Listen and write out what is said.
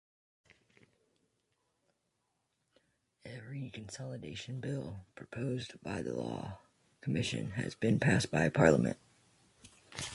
Every consolidation bill proposed by the Law Commission has been passed by Parliament.